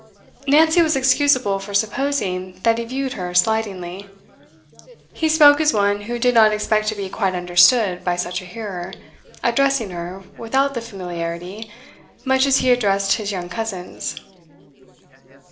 Nancy was excusable for supposing that he viewed her slightingly. He spoke as one who did not expect to be quite understood by such a hearer, addressing her, without the familiarity, much as he addressed his young cousins.